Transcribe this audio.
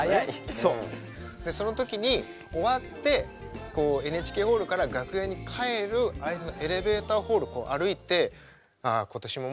その時に終わってＮＨＫホールから楽屋に帰る間のエレベーターホール歩いて「ああ今年ももう終わった。